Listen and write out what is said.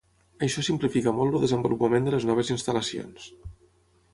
Això simplifica molt el desenvolupament de les noves instal·lacions.